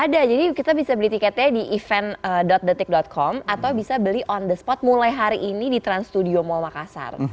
ada jadi kita bisa beli tiketnya di event detik com atau bisa beli on the spot mulai hari ini di trans studio mall makassar